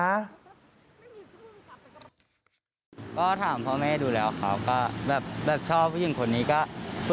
ว่าคุกกันไหมเพื่อใจให้หน่อยอะไรแบบนี้ครับ